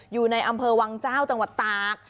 อยู่ในอำเภอวังเจ้าจังหวัดตาก